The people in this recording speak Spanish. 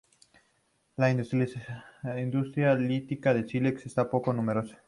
La industria lítica de sílex es poco numerosa.